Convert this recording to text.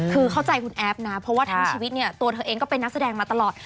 คือเข้าใจคุณแอฟนะเพราะว่าทั้งชีวิตเนี่ยตัวเธอเองก็เป็นนักแสดงมาตลอด